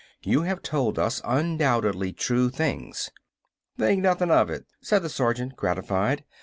You have told us undoubtedly true things." "Think nothin' of it," said the sergeant, gratified.